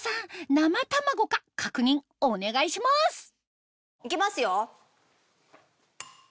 生卵か確認お願いします行きますよ。